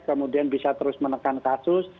kemudian bisa terus menekan kasus